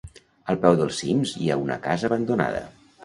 al peu dels cims hi ha una casa abandonada